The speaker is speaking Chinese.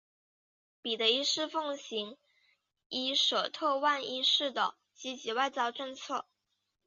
彼得一世奉行伊什特万一世的积极外交政策。